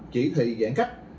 chỉ thị giãn cách